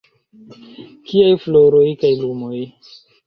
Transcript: Kiaj floroj kaj lumoj?